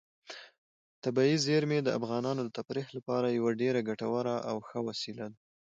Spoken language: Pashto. طبیعي زیرمې د افغانانو د تفریح لپاره یوه ډېره ګټوره او ښه وسیله ده.